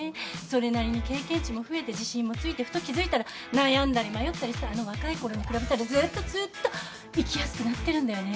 それなりに経験値も増えて自信もついてふと気付いたら悩んだり迷ったりしたあの若いころに比べたらずっとずっと生きやすくなってるんだよね。